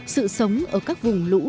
sự sống ở các vùng lũ